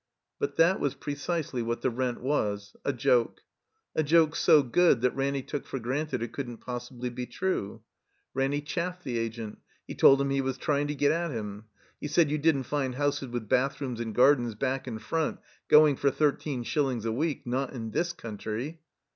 But that was precisely what the rent was — a joke. A joke so good that Ranny took for granted it couldn't possibly be true. Ranny chaffed the Agent; he told him he was trying to get at him; he said you didn't find houses with bathrooms and gardens back and front, going for thirteen shillings a week, not in this cotmtry.